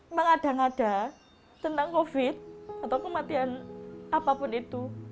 mengada ngada tentang covid atau kematian apapun itu